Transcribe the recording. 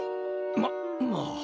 ままあ。